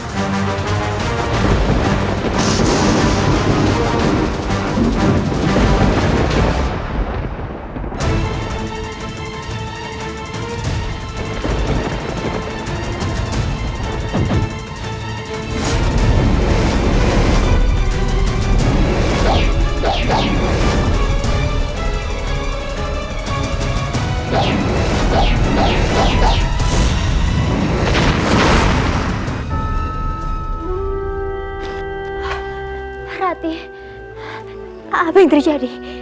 tidak ada bunda